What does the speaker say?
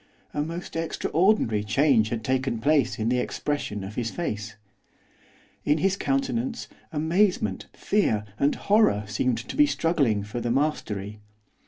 A most extraordinary change had taken place in the expression of his face; in his countenance amazement, fear, and horror seemed struggling for the mastery.